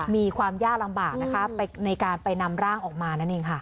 มีความยากลำบากนะคะในการไปนำร่างออกมานั่นเองค่ะ